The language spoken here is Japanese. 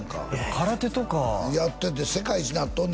空手とかやってて世界一になっとるね